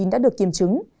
đã được kiểm chứng